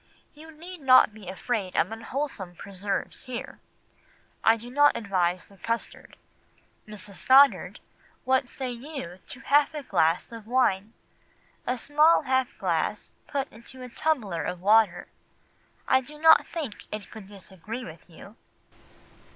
You need not be afraid of unwholesome preserves here. I do not advise the custard. Mrs. Goddard, what say you to half a glass of wine? A small half glass put into a tumbler of water? I do not think it could disagree with you.